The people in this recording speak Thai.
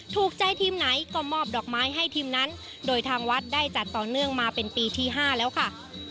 ถูกใจทีมไหนก็มอบดอกไม้ให้ทีมนั้นโดยทางวัดได้จัดต่อเนื่องมาเป็นปีที่๕แล้วค่ะ